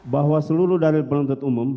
bahwa seluruh dalil penuntut umum